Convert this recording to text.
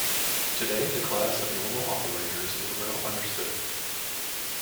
Today, the class of normal operators is well understood.